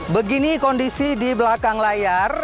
begini kondisi di belakang layar